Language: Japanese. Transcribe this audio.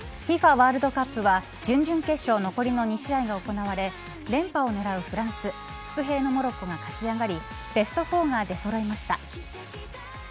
ワールドカップは準々決勝残りの２試合が行われ連覇を狙うフランス伏兵のモロッコが勝ち上がりベスト４が出そろいました。